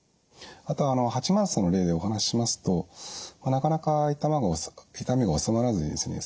あと八幡さんの例でお話ししますとなかなか痛みが治まらずにですね